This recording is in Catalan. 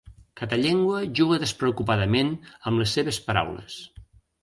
Cada llengua juga despreocupadament amb les seves paraules.